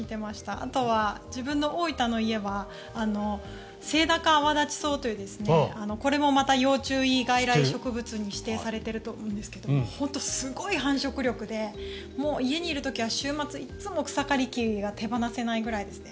あとは、自分の大分の家はセイタカアワダチソウというこれもまた要注意外来生物に指定されていると思うんですが本当にすごい繁殖力で家にいる時は週末、いつも草刈り機が手放せないぐらいですね。